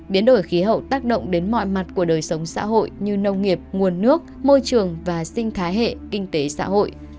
biến đổi khí hậu tác động đến mọi mặt của đời sống xã hội như nông nghiệp nguồn nước môi trường và sinh thái hệ kinh tế xã hội